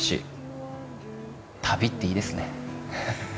旅っていいですね。